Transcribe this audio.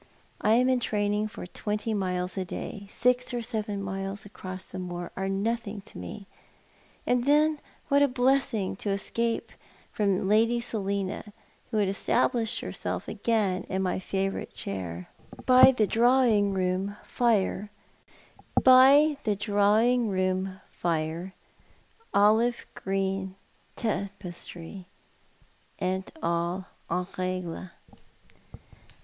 I am in training for twenty miles a day, and six or seven miles across the moor are as nothing to me. And then what a blessing to escap j from Lady Selina, who had established herself again in my favourite chair, by tile drawing room fire, olive green tapestry, and all en regie.